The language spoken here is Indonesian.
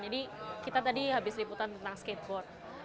jadi kita tadi habis liputan tentang skateboard